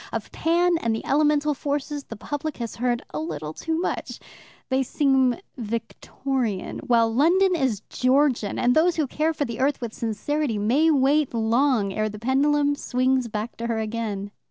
Of Pan and the elemental forces, the public has heard a little too much they seem Victorian, while London is Georgian and those who care for the earth with sincerity may wait long ere the pendulum swings back to her again.